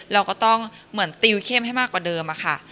เราก็ต้องเหมือนติวเข้มให้มากกว่าเดิมอะค่ะ